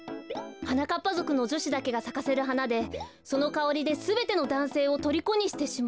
はなかっぱぞくのじょしだけがさかせるはなでそのかおりですべてのだんせいをとりこにしてしまう。